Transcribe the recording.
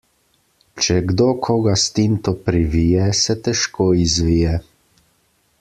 Če kdo koga s tinto privije, se težko izvije.